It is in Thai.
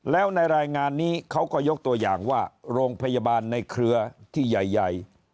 แล้วในรายงานนี้เขาก็ยกตัวอย่างว่าโรงพยาบาลในเครือที่ใหญ่